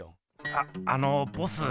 ああのボス。